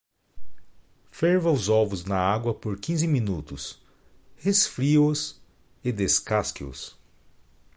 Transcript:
Ferva os ovos na água por quinze minutos, resfrie-os e descasque-os.